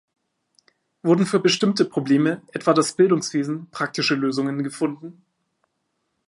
Wurden für bestimmte Probleme, etwa das Bildungswesen, praktische Lösungen gefunden?